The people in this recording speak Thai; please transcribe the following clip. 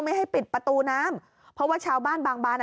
ไม่ให้ปิดประตูน้ำเพราะว่าชาวบ้านบางบานอ่ะ